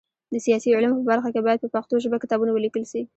د سیاسي علومو په برخه کي باید په پښتو ژبه کتابونه ولیکل سي.